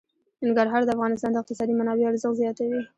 ننګرهار د افغانستان د اقتصادي منابعو ارزښت زیاتوي.